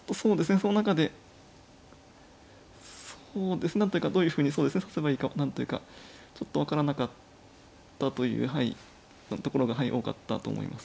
その中で何ていうかどういうふうに指せばいいか何というかちょっと分からなかったというところが多かったと思います。